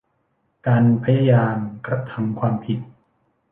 การพยายามกระทำความผิด